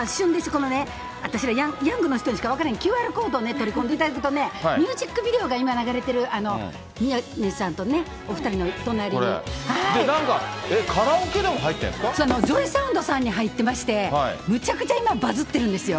このね、私、ヤングの人にしか分からへん、ＱＲコードを取り込んでいただくとね、ミュージックビデオが今流れてる、宮根さんとお２人の、なんか、カラオケでも入ってジョイサウンドさんに入ってまして、むちゃくちゃ今、バズってるんですよ。